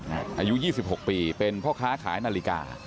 อายุ๒๖ปีเป็นพ่อค้าขายนาฬิกา